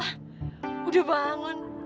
ah udah bangun